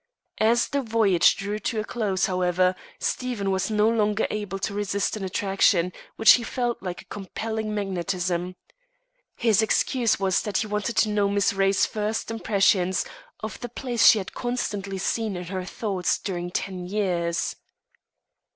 As the voyage drew to a close, however, Stephen was no longer able to resist an attraction which he felt like a compelling magnetism. His excuse was that he wanted to know Miss Ray's first impressions of the place she had constantly seen in her thoughts during ten years.